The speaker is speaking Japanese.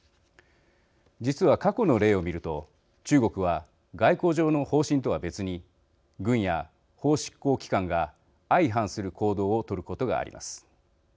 実は、過去の例を見ると中国は、外交上の方針とは別に軍や法執行機関が相反する行動を取ることがあります。